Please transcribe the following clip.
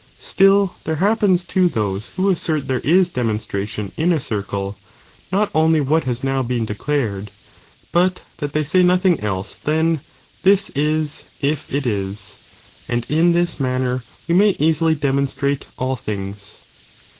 f Stiil there happens lo those who assert tliere is demonstra tion in a circle, not only what has now been declareJ, but that they say nothing else than this is if it is, and in this manner we may easily demonstrate all things.